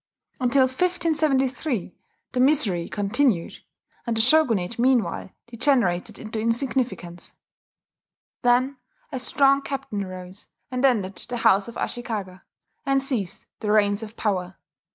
Until 1573 the misery continued; and the shogunate meanwhile degenerated into insignificance. Then a strong captain arose and ended the house of Ashikaga, and seized the reins of power.